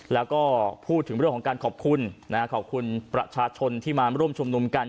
แล้วก็พูดถึงเรื่องของการขอบคุณขอบคุณประชาชนที่มาร่วมชุมนุมกัน